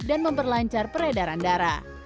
dan memperlancar peredaran darah